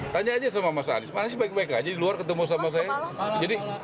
tanya aja sama mas anies manis baik baik aja di luar ketemu sama saya